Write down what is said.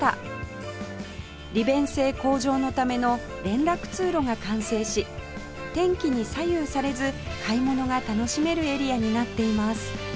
利便性向上のための連絡通路が完成し天気に左右されず買い物が楽しめるエリアになっています